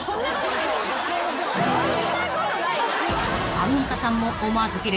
［アンミカさんも思わずキレる